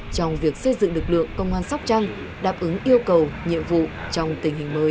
trong việc xây dựng lực lượng công an sóc trăng đáp ứng yêu cầu nhiệm vụ trong tình hình mới